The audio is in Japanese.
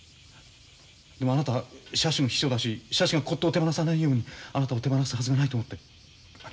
でもあなたは社主の秘書だし社主が骨とうを手放さないようにあなたを手放すはずがないと思って諦めてました。